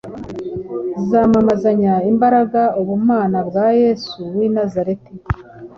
zamamazanya imbaraga ubumana bwa Yesu w’i Nazareti.